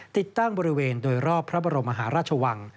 ติดตั้งบริเวณโดยรอบพระบรมมหาราชวัง